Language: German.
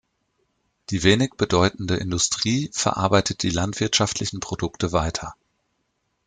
Die wenig bedeutende Industrie verarbeitet die landwirtschaftlichen Produkte weiter.